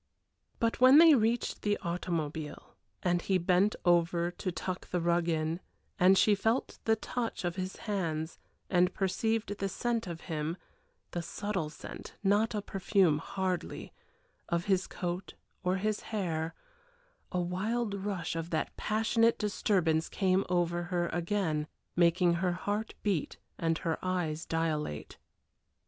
But when they reached the automobile and he bent over to tuck the rug in and she felt the touch of his hands and perceived the scent of him the subtle scent, not a perfume hardly, of his coat, or his hair, a wild rush of that passionate disturbance came over her again, making her heart beat and her eyes dilate.